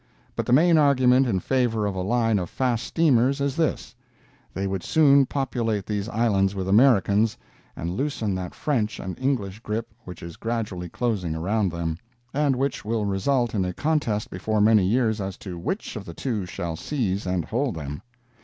But the main argument in favor of a line of fast steamers is this: They would soon populate these islands with Americans, and loosen that French and English grip which is gradually closing around them, and which will result in a contest before many years as to which of the two shall seize and hold them.